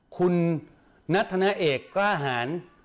คุณนัทธนาเอกกล้าหาร